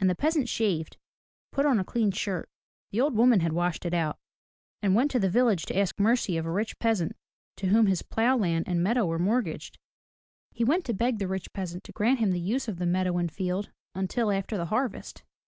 And the peasant shaved, put on a clean shirt, — the old woman had washed it out — and went to the village to ask mercy of a rich peasant to whom his plough land and meadow were mortgaged. He went to beg the rich peasant to grant him the use of the meadow and field until after the harvest.